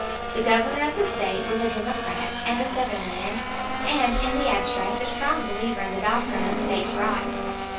The Governor of the State was a Democrat and a Southern man, and in the abstract a strong believer in the doctrine of State's Rights.